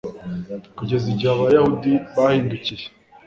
Kugeza igihe Abayahudi bahindukiye